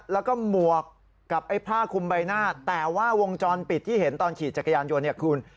แล้วก็หมวกกับไอ้ผ้าคุมใบหน้าแต่ว่าวงจรปิดที่เห็นตอนขี่จักรยานยนต์เนี่ยคุณ